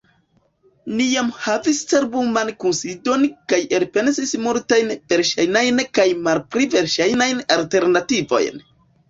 Ni jam havis cerbuman kunsidon kaj elpensis multajn verŝajnajn kaj malpli verŝajnajn alternativojn.